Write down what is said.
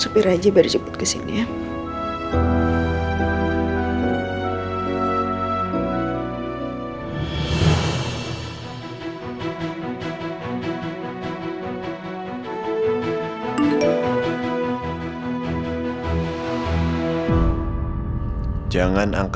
aku mau pulang